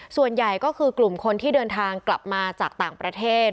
ส่วนใหญ่ก็คือกลุ่มคนที่เดินทางกลับมาจากต่างประเทศ